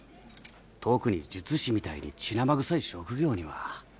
特に術師みたいに血生臭い職業には。